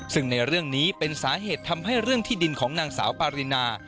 ซึ่งในเรื่องนี้เป็นสาเหตุทำให้เรื่องที่ดินของนางสาวปารินา